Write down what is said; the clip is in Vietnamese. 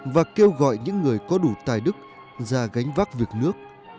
và kêu gọi những người có đủ tài đức ra gánh vác việc nước